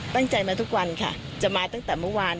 ตั้งใจมาทุกวันค่ะจะมาตั้งแต่เมื่อวาน